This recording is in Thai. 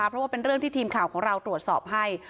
เพราะว่าเป็นเรื่องที่ทีมข่าวของเราตรวจสอบให้